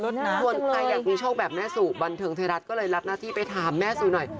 ส่วนใครอยากมีโชคแบบแม่สู่บันเทิงไทยรัฐก็เลยรับหน้าที่ไปถามแม่สู่หน่อย